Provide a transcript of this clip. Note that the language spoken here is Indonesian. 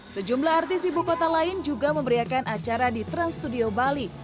sejumlah artis ibu kota lain juga memberiakan acara di trans studio bali